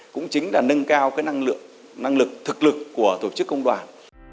cũng chính là nâng cao năng lực thực lực của tổ chức công đoàn